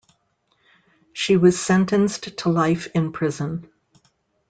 She was sentenced to life in prison.